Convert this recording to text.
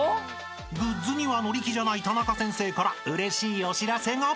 ［グッズには乗り気じゃないタナカ先生からうれしいお知らせが］